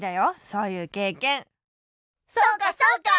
そうかそうか。